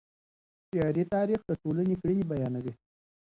شعري تاریخ د ټولني کړنې بیانوي.